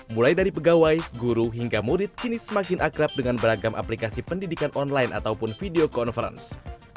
mulai dari pegawai guru hingga murid kini semakin akrab dengan beragam aplikasi pendidikan online ataupun video conference